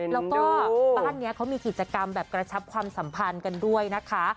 แล้วก็บ้านนี้เขามีกระชับความสัมพันธ์กันด้วยนะคะ